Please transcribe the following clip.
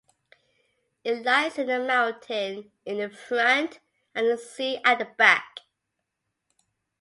It lies in a mountain in the front and the sea at the back.